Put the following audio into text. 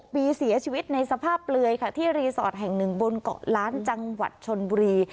ปีเสียชีวิตในสภาพเปลือยค่ะที่รีสอร์ทแห่งหนึ่งบนเกาะล้านจังหวัดชนบุรี